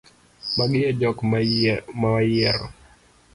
Magi e jok mawayiero.